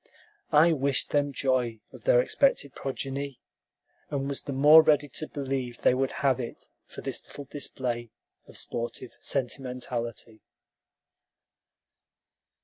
I wished them joy of their expected progeny, and was the more ready to believe they would have it for this little display of sportive sentimentality.